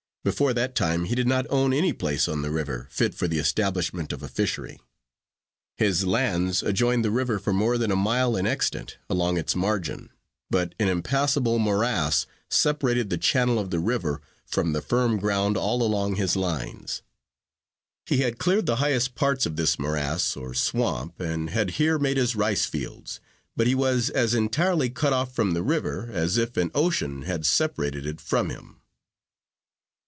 Before that time he did not own any place on the river, fit for the establishment of a fishery. His lands adjoined the river for more than a mile in extent, along its margin; but an impassable morass separated the channel of the river, from the firm ground, all along his lines. He had cleared the highest parts of this morass, or swamp, and had here made his rice fields; but he was as entirely cut off from the river, as if an ocean had separated it from him.